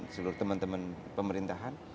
seluruh teman teman pemerintahan